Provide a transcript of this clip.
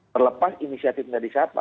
terlepas inisiatif dari siapa